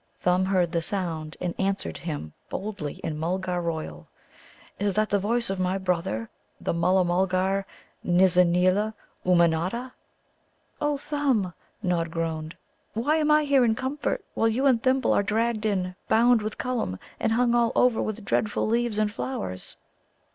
Thumb heard the sound, and answered him boldly in Mulgar royal. "Is that the voice of my brother, the Mulla mulgar, Nizza neela Ummanodda?" "O Thumb!" Nod groaned, "why am I here in comfort, while you and Thimble are dragged in, bound with Cullum, and hung all over with dreadful leaves and flowers?"